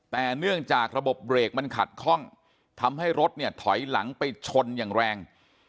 แต่เนื่องจากระบบเบรกมันขัดคล่องทำให้รถเนี่ยถอยหลังไปชนอย่างแรง